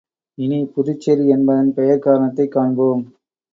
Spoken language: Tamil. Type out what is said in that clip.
இனிப் புதுச்சேரி என்பதன் பெயர்க் காரணத்தைக் காண்பாம்.